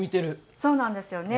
そうなんですよね。